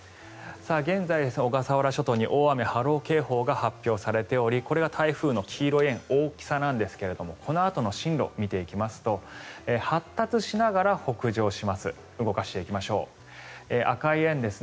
現在、小笠原諸島に大雨・波浪警報が発表されておりこれは台風の黄色い円大きさなんですがこのあとの進路を見ていきますと発達しながら北上します。